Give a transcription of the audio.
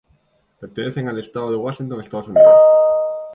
Pertenecen al estado de Washington, Estados Unidos.